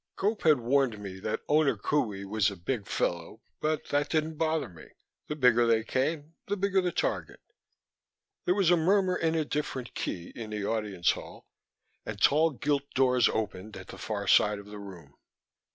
Gope had warned me that Owner Qohey was a big fellow, but that didn't bother me. The bigger they came, the bigger the target.... There was a murmur in a different key in the Audience Hall and tall gilt doors opened at the far side of the room.